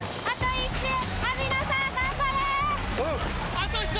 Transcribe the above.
あと１人！